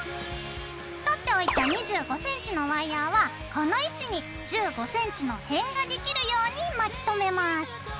とっておいた２５センチのワイヤーはこの位置に１５センチの辺ができるように巻き止めます。